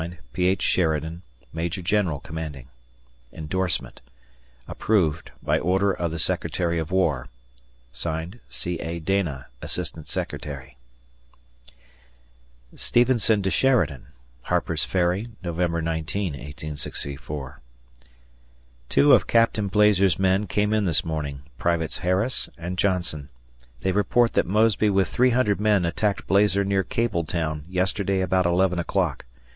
P. H. Sheridan, Major General Commanding. [Indorsement] Approved: By order of the Secretary of War. C. A. Dana, Asst. Secretary. [Stevenson to Sheridan] Harper's Ferry, November 19, 1864. Two of Captain Blazer's men came in this morning Privates Harris and Johnson. They report that Mosby with 300 men attacked Blazer near Kabletown yesterday about 11 o'clock.